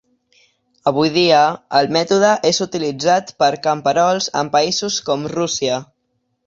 Avui dia el mètode és utilitzat per camperols en països com Rússia.